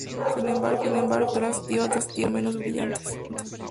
Sin embargo, año tras año, iba teniendo menos brillantez.